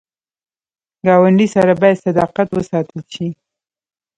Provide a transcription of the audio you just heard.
ګاونډي سره باید صداقت وساتل شي